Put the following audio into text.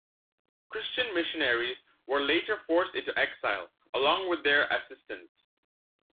Christian missionaries were later forced into exile, along with their assistants.